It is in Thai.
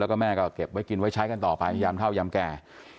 แล้วแม่เก็บไว้กินไว้ใช้